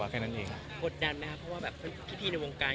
กดดันไหมครับเพราะว่าพี่พี่ในวงการ